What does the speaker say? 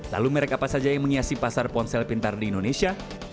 lalu merek apa saja yang menghiasi pasar ponsel pintar di indonesia